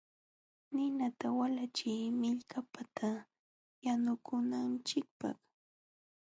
Ninata walachiy millkapata yanukunanchikpaq.